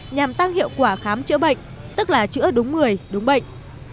nhằm tăng hiệu quả khám chữa bệnh tức là chữa đúng người đúng bệnh